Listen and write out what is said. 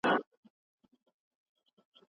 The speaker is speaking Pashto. که موږ خپله ژبه وساتو، نو کلتور به ژوندي پاتې شي.